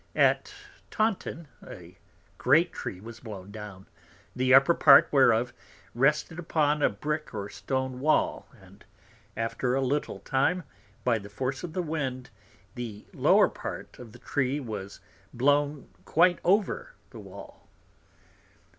At Taunton, a great Tree was blown down, the upper Part whereof rested upon a Brick or Stone wall, and after a little time, by the force of the Wind, the lower part of the Tree was blown quite over the Wall.